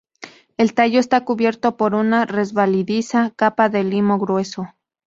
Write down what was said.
El tallo está cubierto por una, resbaladiza capa de limo grueso.